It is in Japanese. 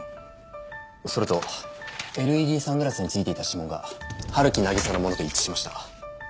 それとＬＥＤサングラスに付いていた指紋が陽木渚のものと一致しました。